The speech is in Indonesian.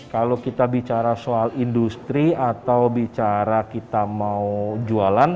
kalau kita bicara soal industri atau bicara kita mau jualan